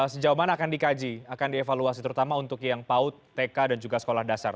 sejauh mana akan dikaji akan dievaluasi terutama untuk yang paut tk dan juga sekolah dasar